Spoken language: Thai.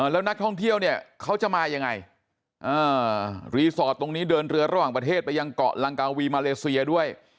แล้วนักท่องเที่ยวเนี่ยเขาจะมายังไงรีสอร์ทตรงนี้เดินเรือระหว่างประเทศไปยังเกาะลังกาวีมาเลเซียด้วย